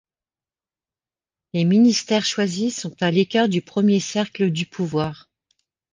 Les ministères choisis sont à l'écart du premier cercle du pouvoir.